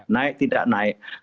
naik atau tidak naik